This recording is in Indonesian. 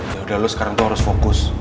yaudah lu sekarang tuh harus fokus